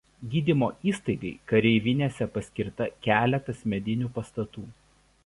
Gydymo įstaigai kareivinėse paskirta keletas medinių pastatų.